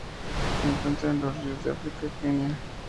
Se encuentran en ríos de África: Kenia.